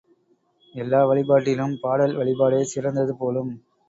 எல்லா வழிபாட்டிலும் பாடல் வழிபாடே சிறந்தது போலும்!